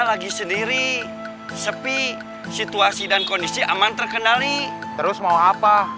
lagi sendiri sepi situasi dan kondisi aman terkendali terus mau apa